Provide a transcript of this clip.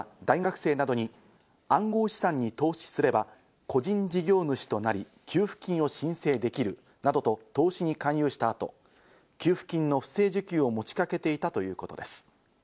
グループは大学生などに暗号資産に投資すれば、個人事業主となり、給付金を申請できるなどと投資に勧誘した後、給付金の不正受給を持ちかけていたということです。